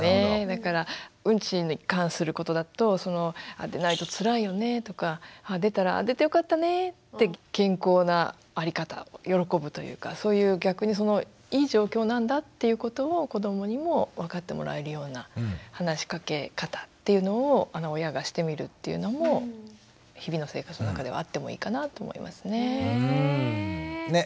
だからうんちに関することだと「出ないとつらいよね」とか出たら「出てよかったね」って健康な在り方を喜ぶというかそういう逆にいい状況なんだっていうことを子どもにも分かってもらえるような話しかけ方っていうのを親がしてみるっていうのも日々の生活の中ではあってもいいかなと思いますね。ね！